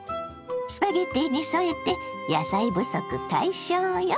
スパゲッティに添えて野菜不足解消よ。